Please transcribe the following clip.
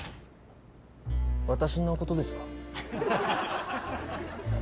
私のことですか？